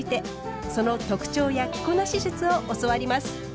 その特徴や着こなし術を教わります。